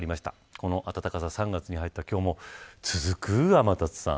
この暖かさ、３月に入った今日も続く、天達さん。